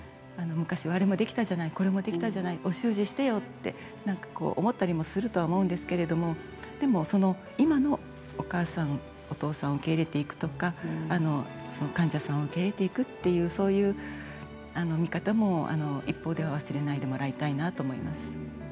昔は、あれもできたじゃないこれもできたじゃないおしゅうじしてよって思ったりもすると思うんですけどでも、今のお母さん、お父さんを受け入れていくとか患者さんを受け入れていくっていう、そういう見方も一方では忘れないでもらいたいなと思います。